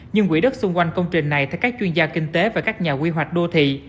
nhưng quỹ đất xung quanh công trình này theo các chuyên gia kinh tế và các nhà quy hoạch đô thị